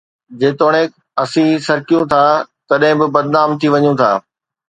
جيتوڻيڪ اسين سُرڪيون ٿا، تڏهن به بدنام ٿي وڃون ٿا